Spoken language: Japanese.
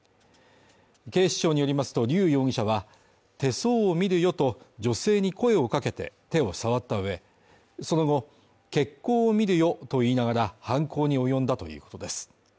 警視庁によりますと劉容疑者は、手相を見るよと女性に声をかけて手を触った上、その後、血行を見るよと言いながら犯行に及んだということです。